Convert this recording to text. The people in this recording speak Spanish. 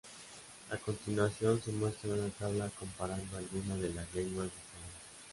A continuación se muestra una tabla comparando algunas de las lenguas bisayas.